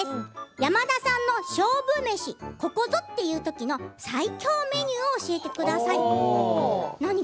山田さんの勝負飯ここぞという時の最強のメニューを教えてください。